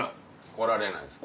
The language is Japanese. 来られないです？